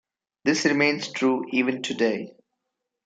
This remains true even today.